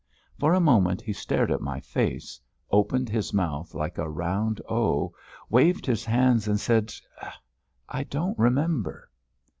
For a moment he stared at my face, opened his mouth like a round O, waved his hands, and said: "I don't remember."